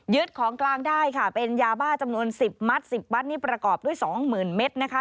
ของกลางได้ค่ะเป็นยาบ้าจำนวน๑๐มัตต์๑๐มัดนี่ประกอบด้วย๒๐๐๐เมตรนะคะ